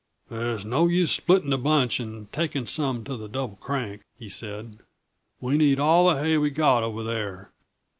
"There's no use splitting the bunch and taking some to the Double Crank," he said. "We need all the hay we've got over there.